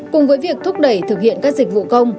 cùng với việc thúc đẩy thực hiện các dịch vụ công